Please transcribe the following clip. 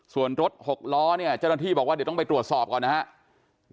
ส่วนรถหกล้อเนี่ยเจ้าหน้าที่บอกว่าเดี๋ยวต้องไปตรวจสอบก่อนนะครับ